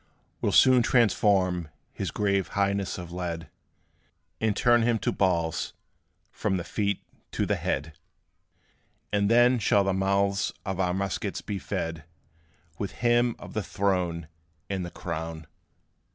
We 'll soon transform his grave highness of lead, And turn him to balls from the feet to the head; And then shall the mouths of our muskets be fed With him of the throne and the crown.